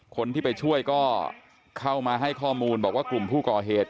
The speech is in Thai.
คนที่ไปช่วยก็เข้ามาให้ข้อมูลบอกว่ากลุ่มผู้ก่อเหตุ